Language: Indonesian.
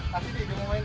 kasih deh gue mau main